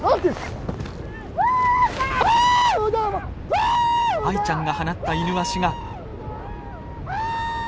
アイちゃんが放ったイヌワシが。